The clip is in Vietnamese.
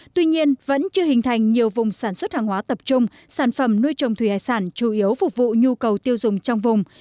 tuy nhiên vẫn chưa hình thành nhiều vùng sản xuất hàng hóa tập trung sản phẩm nuôi trồng thủy hải sản chủ yếu phục vụ nhu cầu tiêu dùng trong vùng